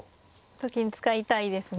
と金使いたいですね。